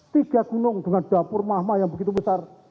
tiga gunung dengan dapur mahma yang begitu besar